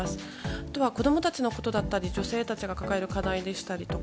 あとは子供たちのことだったり女性たちが抱える課題だったりですとか